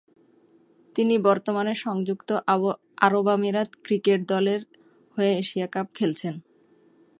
তিনি বর্তমানে সংযুক্ত আরব আমিরাত ক্রিকেট দলের হয়ে এশিয়া কাপ খেলছেন।